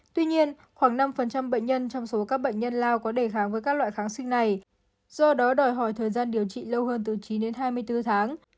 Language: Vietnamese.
tuy nhiên khoảng năm bệnh nhân trong số các bệnh nhân lao có đề kháng với các loại kháng sinh này do đó đòi hỏi thời gian điều trị lâu hơn từ chín đến hai mươi bốn tháng